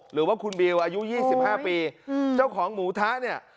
หรือว่าคุณบิวอายุ๒๕ปีเจ้าของหมูทะเนี่ย